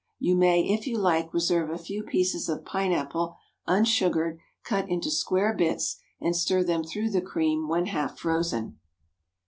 You may, if you like, reserve a few pieces of pine apple, unsugared, cut into square bits, and stir them through the cream when half frozen.